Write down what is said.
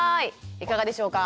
いかがでしょうか？